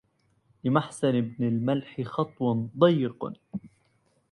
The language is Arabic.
لمحسن بن الملح خطو ضيق